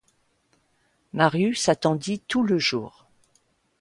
Marius attendit tout le jour.